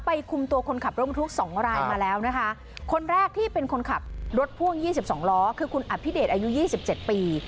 ไปคุมตัวคนขับรถบันทุก๒รายมาแล้วนะคะคนแรกที่เป็นคนขับรถพ่วง๒๒ล้อคือคุณอภิเดชอายุ๒๗ปี